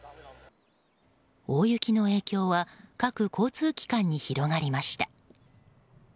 大雪の影響は各交通機関に広がりました。